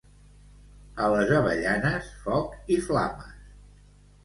A les Avellanes, foc i flames.